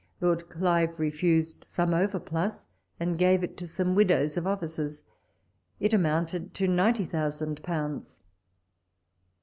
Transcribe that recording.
Lord Clive refused some overplus, and gave it to some widows of officers : it amounted to ninety thou sand pounds.